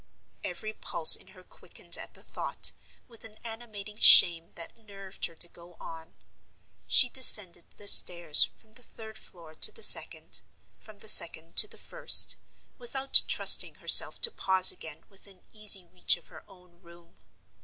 Every pulse in her quickened at the thought, with an animating shame that nerved her to go on. She descended the stairs, from the third floor to the second, from the second to the first, without trusting herself to pause again within easy reach of her own room.